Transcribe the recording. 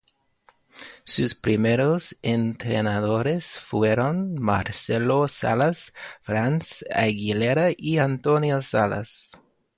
Sus primeros entrenadores fueron Marcelo Salas, Franz Aguilera y Antonio Salas.